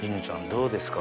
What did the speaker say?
どうですか？